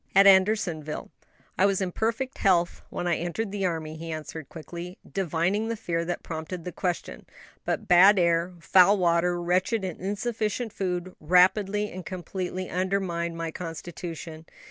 "At Andersonville; I was in perfect health when I entered the army," he answered quickly, divining the fear that prompted the question; "but bad air, foul water, wretched and insufficient food, rapidly and completely undermined my constitution.